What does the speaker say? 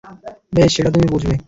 বেশ, সেটা তুমি বুঝবে।